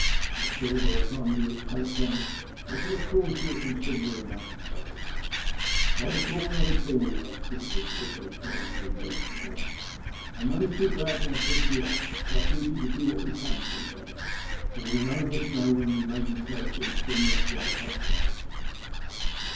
" I fear by the time we reach Cape Town I shall have caused you a con siderable amount of trouble." " Not at all I Not at all !" the hospitable skipper replied, as he rose to go. '' I'm only too glad to have picked you up. It's our duty to do what we can for each other, for we none of us know when we may be placed in a similar plight ourselves."